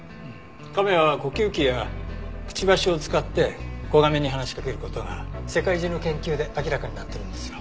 亀は呼吸器やくちばしを使って子亀に話しかける事が世界中の研究で明らかになってるんですよ。